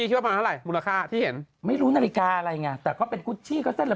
โหฉันโดนไปทั้งเมื่อไหร่เนอะเองจี๊ตอนนั้นเนอะ